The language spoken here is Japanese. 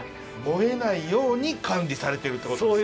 燃えないように管理されてるってことですか。